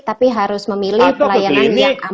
tapi harus memilih pelayanan yang aman